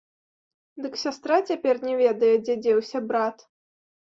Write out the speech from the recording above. Дык сястра цяпер не ведае, дзе дзеўся брат.